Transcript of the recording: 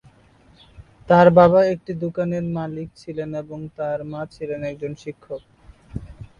তাঁর বাবা একটি দোকানের মালিক ছিলেন এবং তাঁর মা ছিলেন একজন শিক্ষক।